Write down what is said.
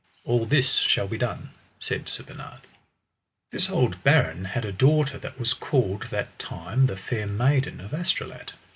All this shall be done, said Sir Bernard. This old baron had a daughter that was called that time the Fair Maiden of Astolat.